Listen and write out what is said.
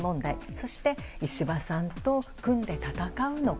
そして石破さんと組んで戦うのか。